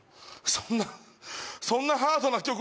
そんなそんなハードな曲